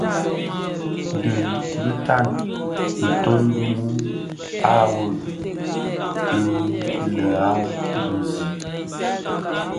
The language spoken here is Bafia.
Dhi bëtan beton bi mum a veg i læham bë zi.